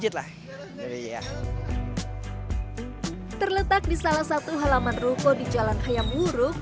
terletak di salah satu halaman ruko di jalan hayamuruk